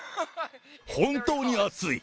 本当に暑い。